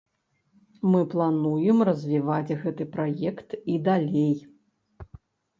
Мы плануем развіваць гэты праект і далей.